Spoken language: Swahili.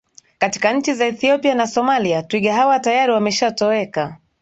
katika nchi za Ethiopia na Somalia twiga hawa tayari wamesha toweka